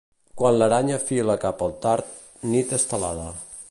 Quan l'aranya fila cap al tard, nit estelada.